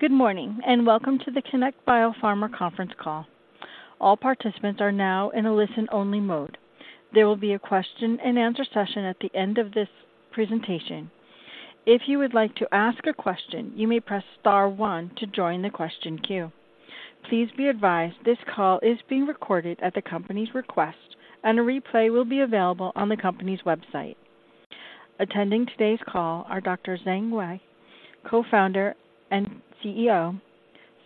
Good morning, and welcome to the Connect Biopharma conference call. All participants are now in a listen-only mode. There will be a question-and-answer session at the end of this presentation. If you would like to ask a question, you may press star one to join the question queue. Please be advised this call is being recorded at the company's request, and a replay will be available on the company's website. Attending today's call are Dr. Zheng Wei, Co-founder and CEO;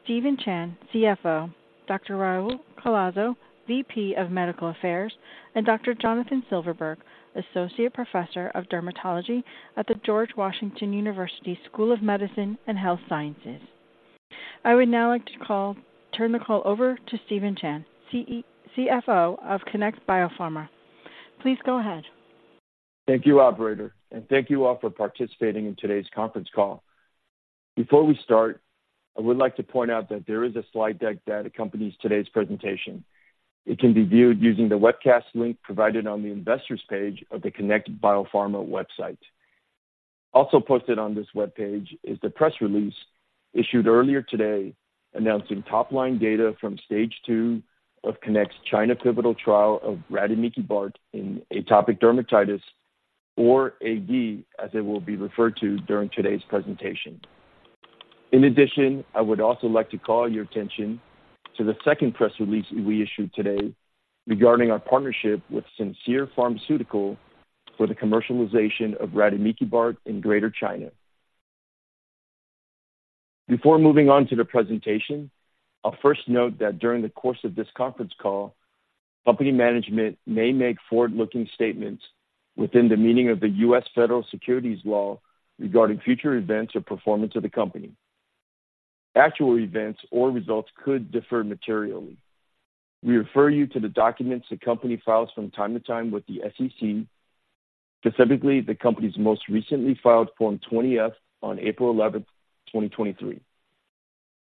Steven Chan, CFO; Dr. Raul Collazo, VP of Medical Affairs; and Dr. Jonathan Silverberg, Associate Professor of Dermatology at The George Washington University School of Medicine and Health Sciences. I would now like to turn the call over to Steven Chan, CFO of Connect Biopharma. Please go ahead. Thank you, operator, and thank you all for participating in today's conference call. Before we start, I would like to point out that there is a slide deck that accompanies today's presentation. It can be viewed using the webcast link provided on the investors page of the Connect Biopharma website. Also posted on this webpage is the press release issued earlier today, announcing top-line data from stage 2 of Connect's China pivotal trial of rademikibart in atopic dermatitis, or AD, as it will be referred to during today's presentation. In addition, I would also like to call your attention to the second press release we issued today regarding our partnership with Simcere Pharmaceutical for the commercialization of rademikibart in Greater China. Before moving on to the presentation, I'll first note that during the course of this conference call, company management may make forward-looking statements within the meaning of the U.S. Federal Securities law regarding future events or performance of the company. Actual events or results could differ materially. We refer you to the documents the company files from time to time with the SEC, specifically the company's most recently filed Form 20-F on April 11, 2023.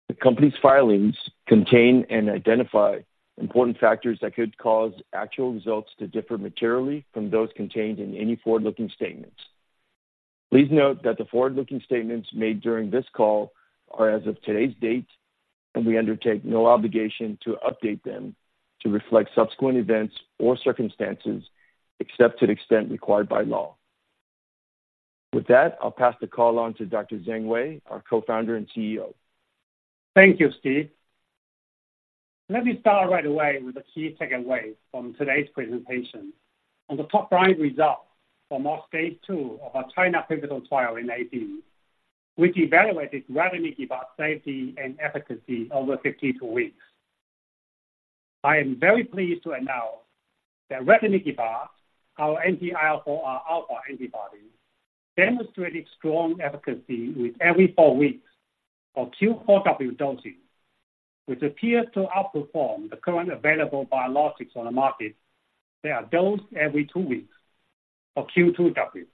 The company's filings contain and identify important factors that could cause actual results to differ materially from those contained in any forward-looking statements. Please note that the forward-looking statements made during this call are as of today's date, and we undertake no obligation to update them to reflect subsequent events or circumstances, except to the extent required by law. With that, I'll pass the call on to Dr. Zheng Wei, our Co-founder and CEO. Thank you, Steve. Let me start right away with a key takeaway from today's presentation on the top-line results from our stage 2 of our China pivotal trial in AD, which evaluated rademikibart safety and efficacy over 52 weeks. I am very pleased to announce that rademikibart, our anti-IL-4Rα antibody, demonstrated strong efficacy with every four weeks, or Q4W dosing, which appears to outperform the current available biologics on the market that are dosed every two weeks, or Q2W.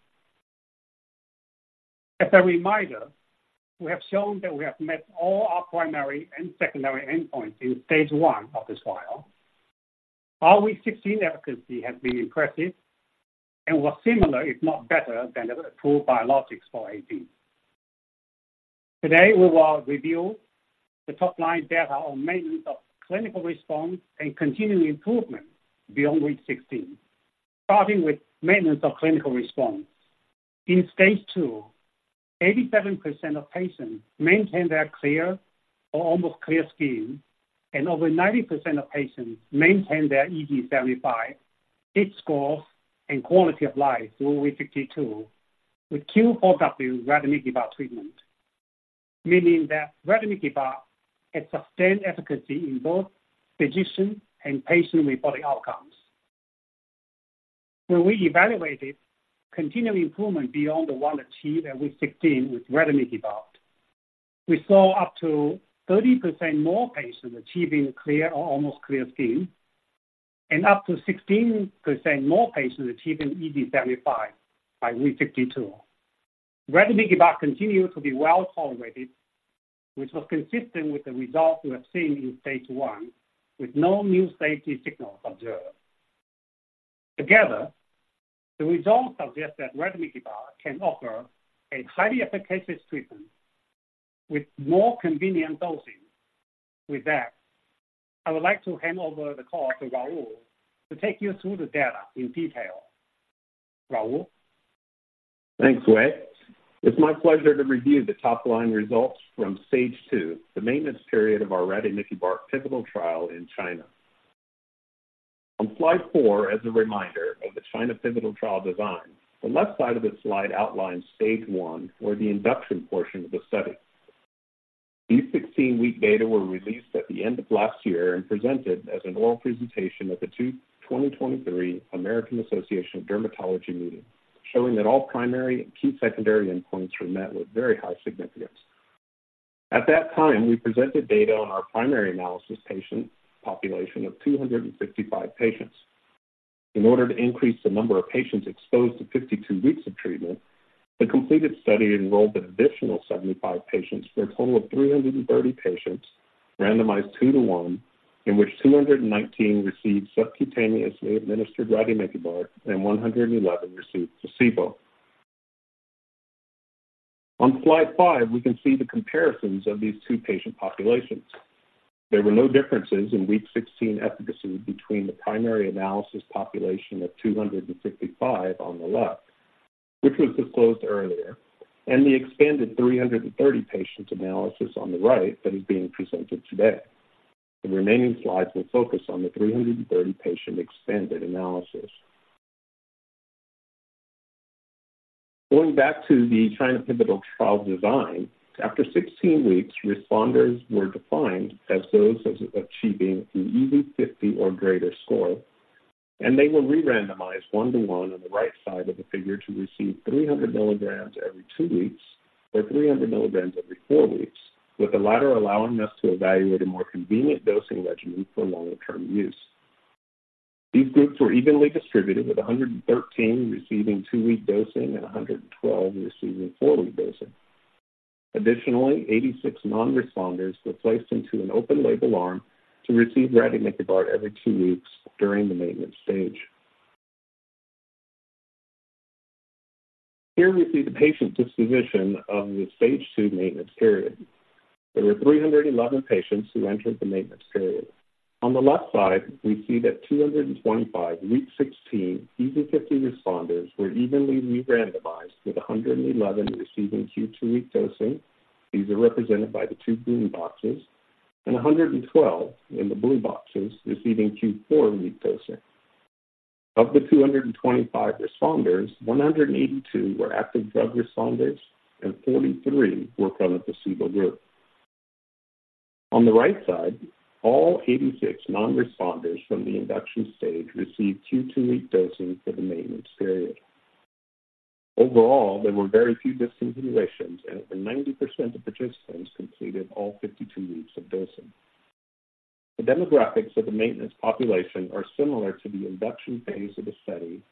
As a reminder, we have shown that we have met all our primary and secondary endpoints in stage 1 of this trial. Our week 16 efficacy has been impressive and was similar, if not better, than the approved biologics for AD. Today, we will review the top-line data on maintenance of clinical response and continued improvement beyond week 16, starting with maintenance of clinical response. In stage 2, 87% of patients maintained their clear or almost clear skin, and over 90% of patients maintained their EASI-75, itch scores, and quality of life through week 52 with Q4W rademikibart treatment, meaning that rademikibart had sustained efficacy in both physician and patient-reported outcomes. When we evaluated continued improvement beyond the one achieved at week 16 with rademikibart, we saw up to 30% more patients achieving clear or almost clear skin and up to 16% more patients achieving EASI 75 by week 52. Rademikibart continued to be well-tolerated, which was consistent with the results we have seen in stage 1, with no new safety signals observed. Together, the results suggest that rademikibart can offer a highly efficacious treatment with more convenient dosing. With that, I would like to hand over the call to Raul to take you through the data in detail. Raul? Thanks, Wei. It's my pleasure to review the top-line results from stage 2, the maintenance period of our rademikibart pivotal trial in China. On slide four, as a reminder of the China pivotal trial design, the left side of this slide outlines stage 1, or the induction portion of the study. These 16-week data were released at the end of last year and presented as an oral presentation at the 2023 American Academy of Dermatology meeting, showing that all primary and key secondary endpoints were met with very high significance. At that time, we presented data on our primary analysis patient population of 255 patients. In order to increase the number of patients exposed to 52 weeks of treatment, the completed study enrolled an additional 75 patients for a total of 330 patients randomized 2 to 1, in which 219 received subcutaneously administered rademikibart, and 111 received placebo. On slide five, we can see the comparisons of these two patient populations. There were no differences in week 16 efficacy between the primary analysis population of 255 on the left, which was disclosed earlier, and the expanded 330 patients analysis on the right that is being presented today. The remaining slides will focus on the 330-patient expanded analysis. Going back to the China pivotal trial design, after 16 weeks, responders were defined as those as achieving an EASI-50 or greater score, and they were re-randomized 1:1 on the right side of the figure to receive 300 mg every two weeks or 300 mg every four weeks, with the latter allowing us to evaluate a more convenient dosing regimen for longer term use. These groups were evenly distributed, with 113 receiving two-week dosing and 112 receiving four-week dosing. Additionally, 86 non-responders were placed into an open label arm to receive rademikibart every two weeks during the maintenance stage. Here we see the patient disposition of the stage 2 maintenance period. There were 311 patients who entered the maintenance period. On the left side, we see that 225 week 16 EASI-50 responders were evenly re-randomized, with 111 receiving Q2W dosing. These are represented by the two green boxes, and 112 in the blue boxes, receiving Q4W dosing. Of the 225 responders, 182 were active drug responders and 43 were from the placebo group. On the right side, all 86 non-responders from the induction stage received Q2W dosing for the maintenance period. Overall, there were very few discontinuations, and over 90% of participants completed all 52 weeks of dosing. The demographics of the maintenance population are similar to the induction phase of the study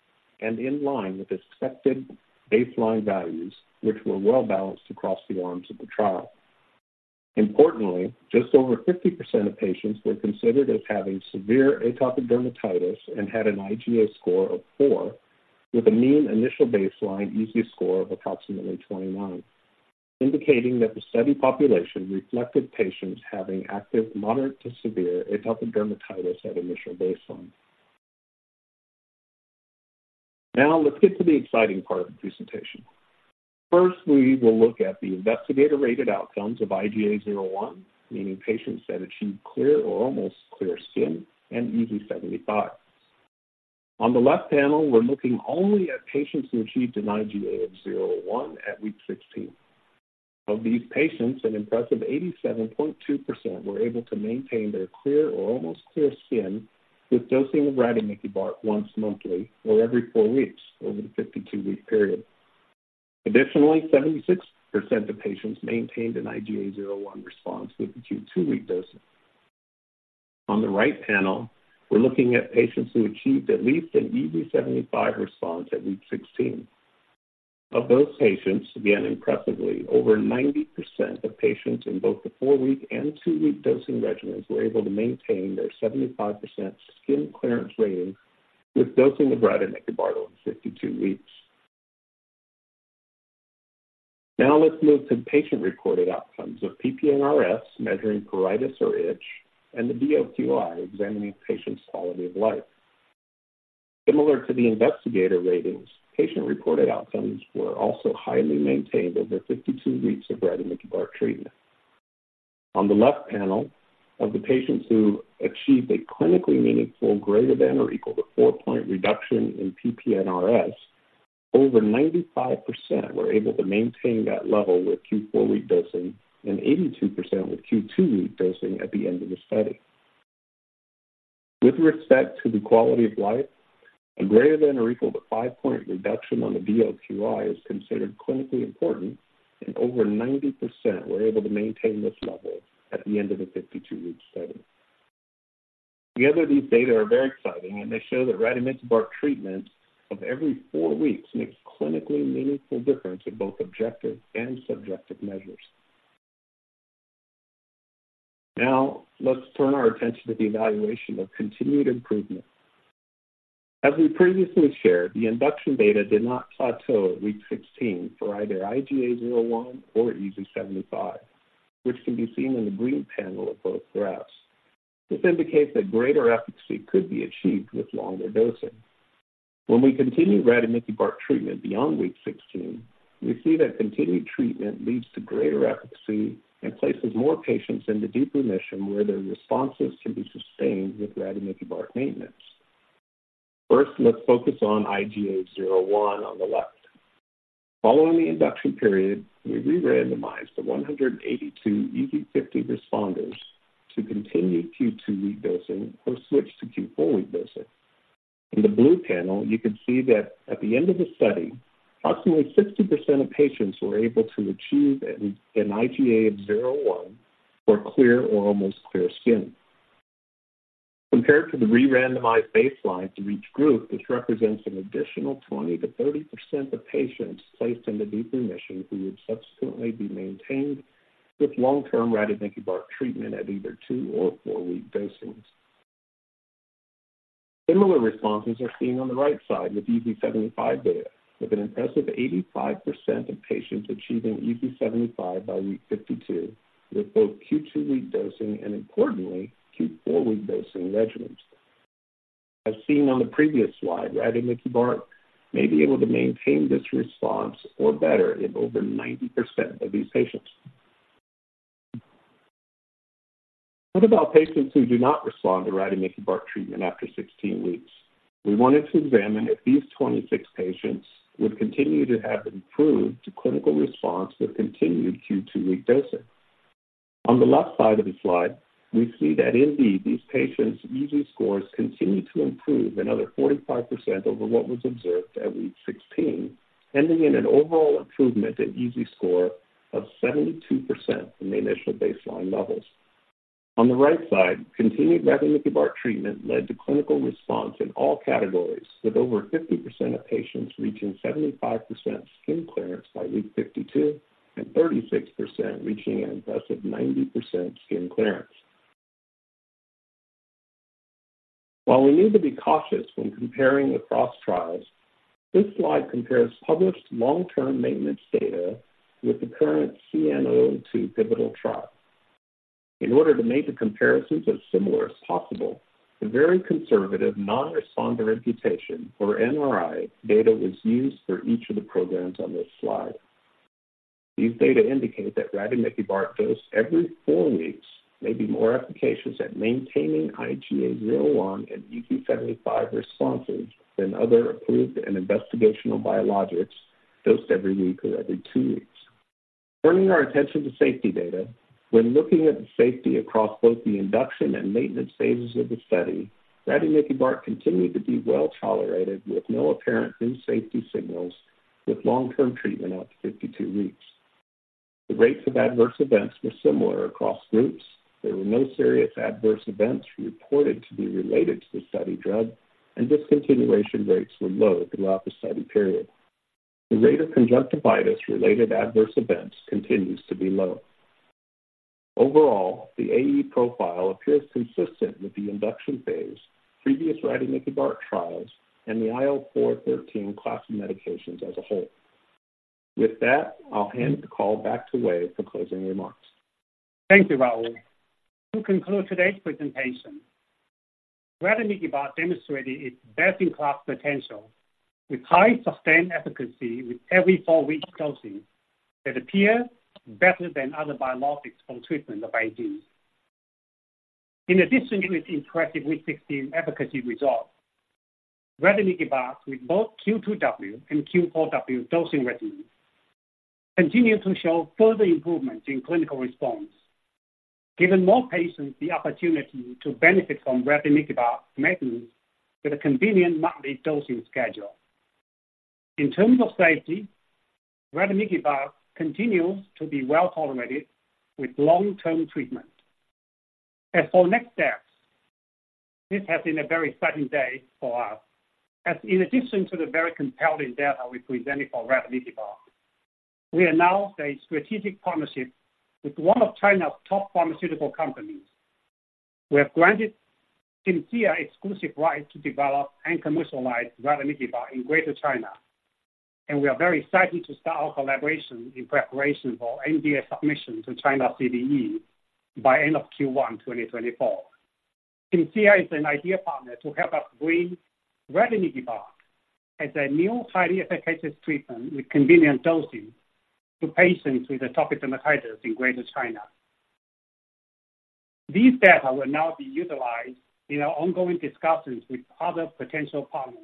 and in line with expected baseline values, which were well-balanced across the arms of the trial. Importantly, just over 50% of patients were considered as having severe atopic dermatitis and had an IGA score of 4, with a mean initial baseline EASI score of approximately 21, indicating that the study population reflected patients having active, moderate to severe atopic dermatitis at initial baseline. Now, let's get to the exciting part of the presentation. First, we will look at the investigator-rated outcomes of IGA 0/1, meaning patients that achieved clear or almost clear skin and EASI-75. On the left panel, we're looking only at patients who achieved an IGA of 0/1 at week 16. Of these patients, an impressive 87.2% were able to maintain their clear or almost clear skin with dosing of rademikibart once monthly or every four weeks over the 52-week period. Additionally, 76% of patients maintained an IGA 0/1 response with the Q2W dosing. On the right panel, we're looking at patients who achieved at least an EASI 75 response at week 16. Of those patients, again, impressively, over 90% of patients in both the four-week and two-week dosing regimens were able to maintain their 75% skin clearance rating with dosing of rademikibart in 52 weeks. Now, let's move to patient-reported outcomes of PP-NRS, measuring pruritus or itch, and the DLQI, examining patients' quality of life. Similar to the investigator ratings, patient-reported outcomes were also highly maintained over 52 weeks of rademikibart treatment. On the left panel, of the patients who achieved a clinically meaningful, greater than or equal to 4-point reduction in PPNRS, over 95% were able to maintain that level with Q4W dosing and 82% with Q2W dosing at the end of the study. With respect to the quality of life, a greater than or equal to 5-point reduction on the DLQI is considered clinically important, and over 90% were able to maintain this level at the end of the 52-week study. Together, these data are very exciting, and they show that rademikibart treatment of every four weeks makes a clinically meaningful difference in both objective and subjective measures. Now, let's turn our attention to the evaluation of continued improvement. As we previously shared, the induction data did not plateau at week 16 for either IGA 0/1 or EASI-75, which can be seen in the green panel of both graphs. This indicates that greater efficacy could be achieved with longer dosing. When we continue rademikibart treatment beyond week 16, we see that continued treatment leads to greater efficacy and places more patients into deep remission, where their responses can be sustained with rademikibart maintenance. First, let's focus on IGA 0/1 on the left. Following the induction period, we re-randomized the 182 EASI-50 responders to continue Q2W dosing or switch to Q4W dosing. In the blue panel, you can see that at the end of the study, approximately 60% of patients were able to achieve an IGA 0/1 for clear or almost clear skin... compared to the re-randomized baseline to each group, this represents an additional 20%-30% of patients placed into deep remission who would subsequently be maintained with long-term rademikibart treatment at either two- or four-week dosings. Similar responses are seen on the right side with EASI-75 data, with an impressive 85% of patients achieving EASI-75 by week 52, with both Q2W dosing and importantly, Q4W dosing regimens. As seen on the previous slide, rademikibart may be able to maintain this response or better in over 90% of these patients. What about patients who do not respond to rademikibart treatment after 16 weeks? We wanted to examine if these 26 patients would continue to have improved clinical response with continued Q2W dosing. On the left side of the slide, we see that indeed, these patients' EASI scores continued to improve another 45% over what was observed at week 16, ending in an overall improvement in EASI score of 72% from the initial baseline levels. On the right side, continued rademikibart treatment led to clinical response in all categories, with over 50% of patients reaching 75% skin clearance by week 52 and 36% reaching an impressive 90% skin clearance. While we need to be cautious when comparing across trials, this slide compares published long-term maintenance data with the current CN02 pivotal trial. In order to make the comparisons as similar as possible, the very conservative non-responder imputation, or NRI data, was used for each of the programs on this slide. These data indicate that rademikibart dosed every four weeks may be more efficacious at maintaining IGA 0/1 and EASI 75 responses than other approved and investigational biologics dosed every week or every two weeks. Turning our attention to safety data, when looking at the safety across both the induction and maintenance phases of the study, rademikibart continued to be well-tolerated, with no apparent new safety signals with long-term treatment out to 52 weeks. The rates of adverse events were similar across groups. There were no serious adverse events reported to be related to the study drug, and discontinuation rates were low throughout the study period. The rate of conjunctivitis-related adverse events continues to be low. Overall, the AE profile appears consistent with the induction phase, previous rademikibart trials, and the IL-4/13 class of medications as a whole. With that, I'll hand the call back to Wei for closing remarks. Thank you, Raul. To conclude today's presentation, rademikibart demonstrated its best-in-class potential with high sustained efficacy with every four weeks dosing that appear better than other biologics for treatment of AD. In addition to its impressive week 16 efficacy results, rademikibart with both Q2W and Q4W dosing regimens continue to show further improvements in clinical response, giving more patients the opportunity to benefit from rademikibart maintenance with a convenient monthly dosing schedule. In terms of safety, rademikibart continues to be well-tolerated with long-term treatment. As for next steps, this has been a very exciting day for us. As in addition to the very compelling data we presented for rademikibart, we announced a strategic partnership with one of China's top pharmaceutical companies. We have granted Simcere exclusive right to develop and commercialize rademikibart in Greater China, and we are very excited to start our collaboration in preparation for NDA submission to China CDE by end of Q1 2024. Simcere is an ideal partner to help us bring rademikibart as a new, highly efficacious treatment with convenient dosing to patients with atopic dermatitis in Greater China. These data will now be utilized in our ongoing discussions with other potential partners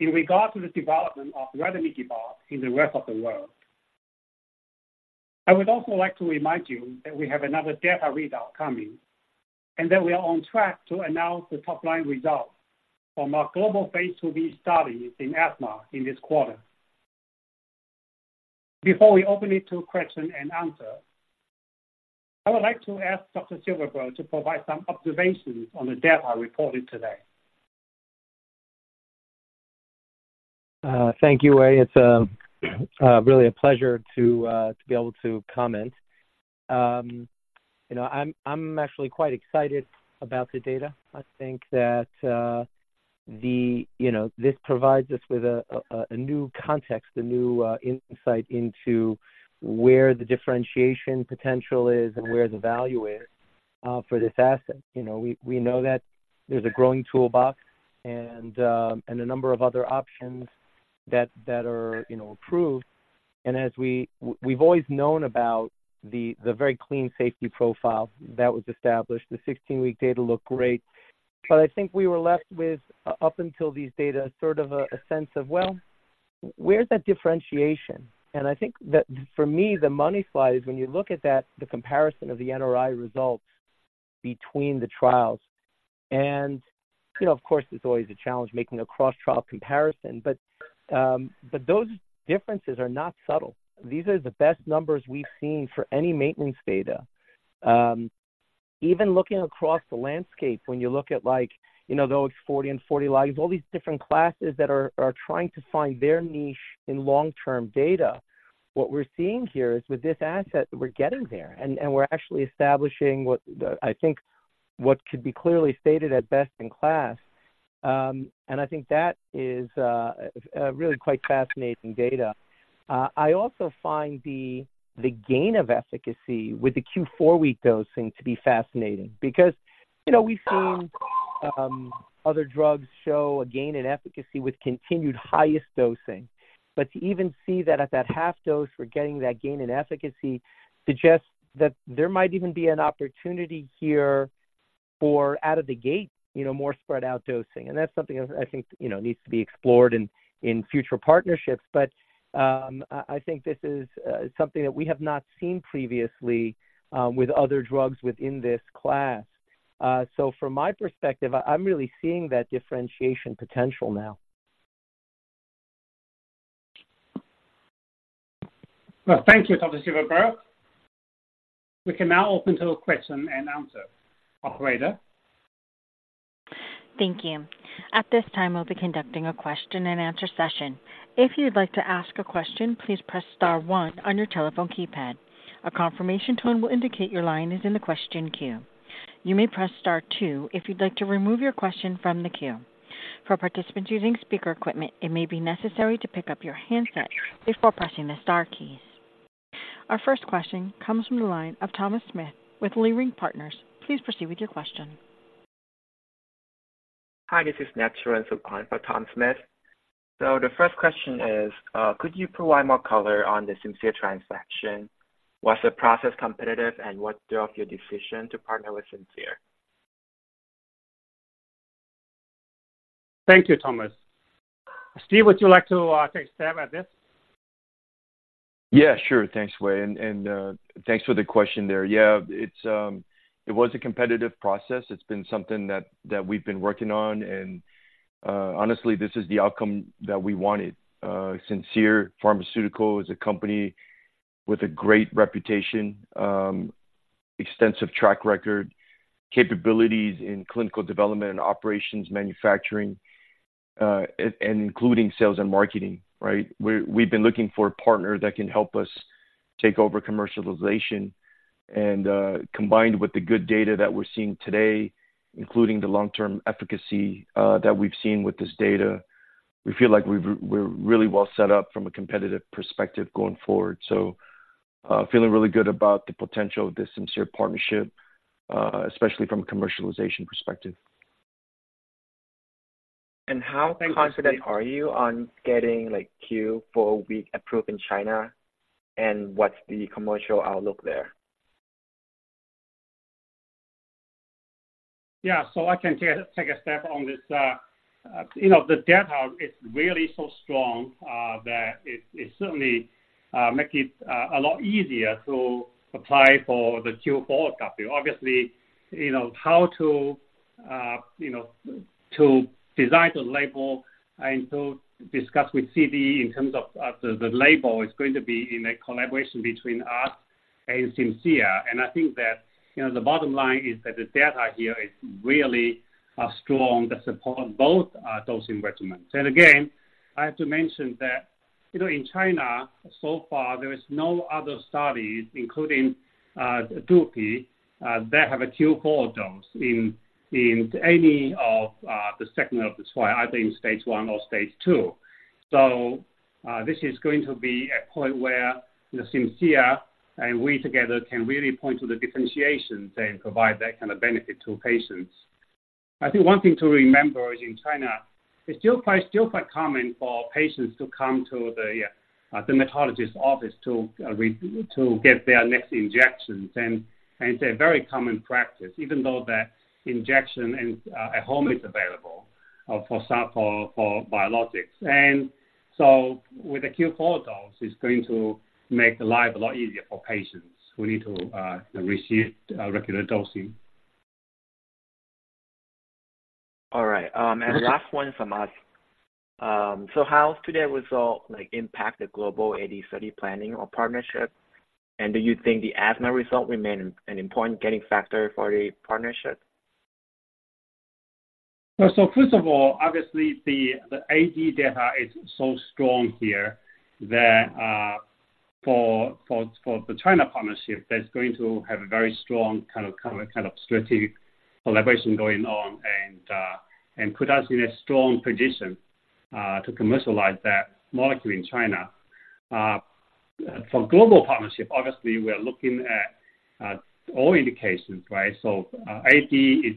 in regards to the development of rademikibart in the rest of the world. I would also like to remind you that we have another data readout coming, and that we are on track to announce the top-line results from our global phase IIb study in asthma in this quarter. Before we open it to question and answer, I would like to ask Dr. Silverberg to provide some observations on the data reported today. Thank you, Wei. It's really a pleasure to be able to comment. You know, I'm actually quite excited about the data. I think that the, you know, this provides us with a new context, a new insight into where the differentiation potential is and where the value is for this asset. You know, we know that there's a growing toolbox and a number of other options that are approved. And as we've always known about the very clean safety profile that was established. The 16-week data looked great, but I think we were left with, up until these data, sort of a sense of, well, where's that differentiation? I think that for me, the money slide is when you look at that, the comparison of the NRI results between the trials. You know, of course, it's always a challenge making a cross trial comparison, but those differences are not subtle. These are the best numbers we've seen for any maintenance data. Even looking across the landscape, when you look at, like, you know, those 40 and 40 lives, all these different classes that are trying to find their niche in long-term data. What we're seeing here is, with this asset, we're getting there, and we're actually establishing what the—I think what could be clearly stated at best in class. And I think that is a really quite fascinating data. I also find the gain of efficacy with the Q4 week dosing to be fascinating because, you know, we've seen, other drugs show a gain in efficacy with continued highest dosing. But to even see that at that half dose, we're getting that gain in efficacy, suggests that there might even be an opportunity here for out of the gate, you know, more spread out dosing. And that's something that I think, you know, needs to be explored in future partnerships. But, I think this is, something that we have not seen previously, with other drugs within this class. So from my perspective, I'm really seeing that differentiation potential now. Well, thank you, Dr. Silverberg. We can now open to a question and answer. Operator? Thank you. At this time, we'll be conducting a question-and-answer session. If you'd like to ask a question, please press star one on your telephone keypad. A confirmation tone will indicate your line is in the question queue. You may press star two if you'd like to remove your question from the queue. For participants using speaker equipment, it may be necessary to pick up your handset before pressing the star keys. Our first question comes from the line of Thomas Smith with Leerink Partners. Please proceed with your question. Hi, this is [Nat Sharon on for Tom Smith. So the first question is, could you provide more color on the Simcere transaction? Was the process competitive, and what drove your decision to partner with Simcere? Thank you, Thomas. Steve, would you like to take a stab at this? Yeah, sure. Thanks, Wei, and thanks for the question there. Yeah, it was a competitive process. It's been something that we've been working on, and honestly, this is the outcome that we wanted. Simcere Pharmaceutical is a company with a great reputation, extensive track record, capabilities in clinical development and operations, manufacturing, and including sales and marketing, right? We've been looking for a partner that can help us take over commercialization, and combined with the good data that we're seeing today, including the long-term efficacy that we've seen with this data, we feel like we're really well set up from a competitive perspective going forward. So, feeling really good about the potential of this Simcere partnership, especially from a commercialization perspective. How confident are you on getting, like, Q4W approved in China, and what's the commercial outlook there? Yeah, so I can take a stab on this. You know, the data is really so strong that it certainly make it a lot easier to apply for the Q4W NDA. Obviously, you know, how to, you know, to design the label and to discuss with CDE in terms of the label is going to be in a collaboration between us and Simcere. And I think that, you know, the bottom line is that the data here is really strong to support both dosing regimens. And again, I have to mention that, you know, in China so far, there is no other studies, including dupi, that have a Q4W dose in any of the sections of the trial, either in stage 1 or stage 2. So, this is going to be a point where Simcere, and we together can really point to the differentiations and provide that kind of benefit to patients. I think one thing to remember is in China, it's still quite, still quite common for patients to come to the, dermatologist office to get their next injections. And it's a very common practice, even though the injection in, at home is available, for example, for biologics. And so with the Q4 dose, it's going to make the life a lot easier for patients who need to, receive, regular dosing. All right, last one from us. How's today's result, like, impact the global AD study planning or partnership? Do you think the asthma result remain an important key factor for the partnership? So first of all, obviously, the AD data is so strong here that for the China partnership, that's going to have a very strong kind of strategic collaboration going on and and put us in a strong position to commercialize that molecule in China. For global partnership, obviously we are looking at all indications, right? So, AD is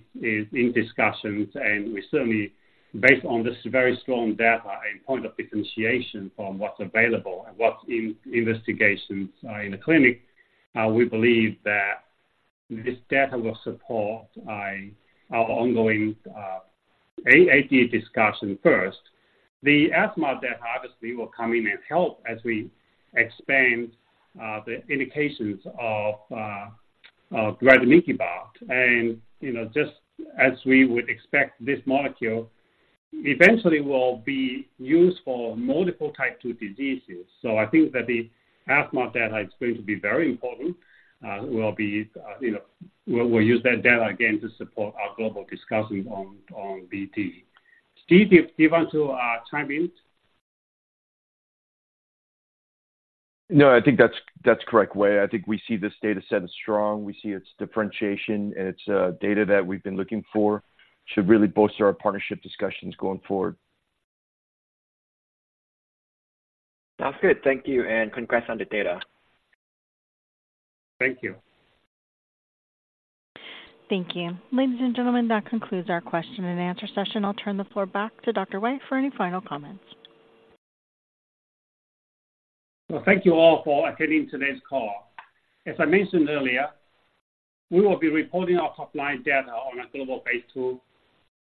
in discussions, and we certainly, based on this very strong data, a point of differentiation from what's available and what's in investigations in the clinic, we believe that this data will support our ongoing AD discussion first. The asthma data obviously will come in and help as we expand the indications of rademikibart. And, you know, just as we would expect, this molecule eventually will be used for multiple type two diseases. So I think that the asthma data is going to be very important. We'll be, you know, we'll use that data again to support our global discussions on BT. Steve, do you want to chime in? No, I think that's, that's correct, Wei. I think we see this data set as strong. We see its differentiation, and it's data that we've been looking for. Should really bolster our partnership discussions going forward. That's good. Thank you, and congrats on the data. Thank you. Thank you. Ladies and gentlemen, that concludes our question and answer session. I'll turn the floor back to Dr. Wei for any final comments. Well, thank you all for attending today's call. As I mentioned earlier, we will be reporting our top-line data on a global phase II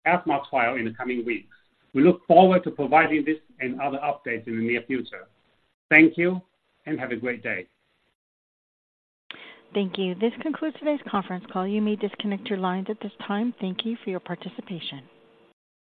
asthma trial in the coming weeks. We look forward to providing this and other updates in the near future. Thank you, and have a great day. Thank you. This concludes today's conference call. You may disconnect your lines at this time. Thank you for your participation.